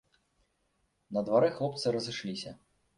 На дварэ хлопцы разышліся.